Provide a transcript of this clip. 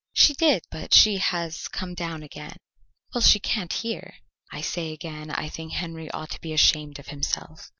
"She did, but she has come down again." "Well, she can't hear." "I say again, I think Henry ought to be ashamed of himself.